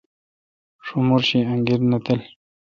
شمور شی انگیر نہ تل۔